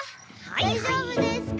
だいじょうぶですか？